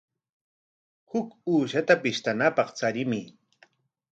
Huk uushata pishtanapaq charimuy.